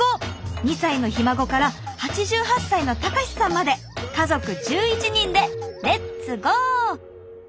２歳のひ孫から８８歳の隆さんまで家族１１人でレッツゴー！